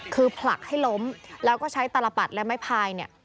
คือผลักให้ล้มแล้วก็ใช้ตลปัดและไม้พายเนี่ย